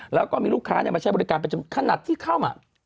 แล้วก็มีลูกค้ามาใช้บริการเป็นขนาดที่เข้ามา